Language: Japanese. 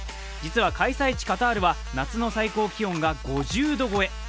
実は開催地カタールは夏の最高気温が５０度超え。